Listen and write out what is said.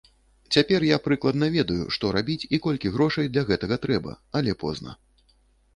Цяпер я прыкладна ведаю, што рабіць і колькі грошай для гэтага трэба, але позна.